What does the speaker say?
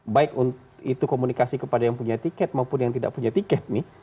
baik itu komunikasi kepada yang punya tiket maupun yang tidak punya tiket nih